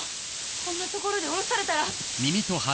こんな所で降ろされたらああ！